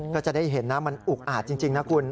ก็จะได้เห็นนะมันอุกอาจจริงนะคุณ